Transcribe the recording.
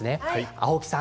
青木さん